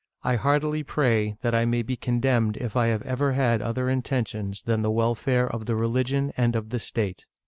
I heartily pray that I may be condemned if I have ever had other intentions than the welfare of the religion and of the state."